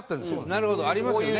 なるほど。ありますよね。